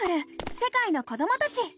世界の子どもたち」。